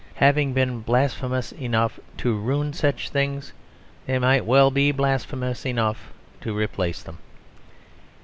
Having been blasphemous enough to ruin such things, they might well be blasphemous enough to replace them.